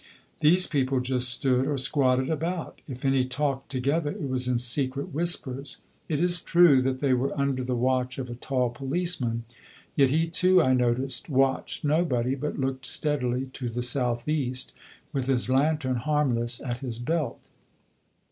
These people just stood or squatted about; if any talked together it was in secret whispers. It is true that they were under the watch of a tall policeman; yet he too, I noticed, watched nobody, but looked steadily to the south east, with his lantern harmless at his belt.